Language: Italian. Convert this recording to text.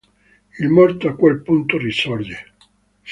Il morto a quel punto risorge.